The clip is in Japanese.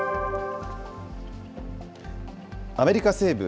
アメリカ西部